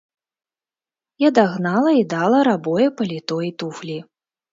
Я дагнала і дала рабое паліто і туфлі.